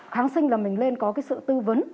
kháng sinh là mình lên có cái sự tư vấn